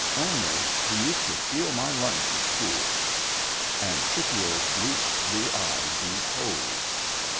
— Only, he used to steal my lunch at school." And Scipio's bleached blue eye grew cold.